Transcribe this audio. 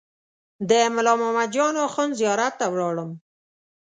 د ملا محمد جان اخوند زیارت ته ولاړم.